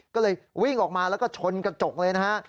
ก็เลยวิ่งออกมาแล้วก็ชนกระจกเลยนะฮะ